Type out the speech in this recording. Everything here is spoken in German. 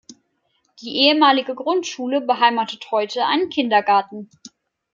Die ehemalige Grundschule beheimatet heute einen Kindergarten.